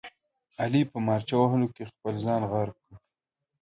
علي په مارچه وهلو کې خپل ځان غرق کړ.